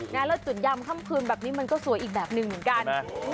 แล้วจุดยำค่ำคืนแบบนี้มันก็สวยอีกแบบหนึ่งเหมือนกัน